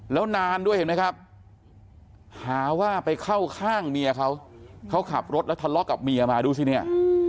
แล้วนานด้วยเห็นไหมครับหาว่าไปเข้าข้างเมียเขาเขาขับรถแล้วทะเลาะกับเมียมาดูสิเนี่ย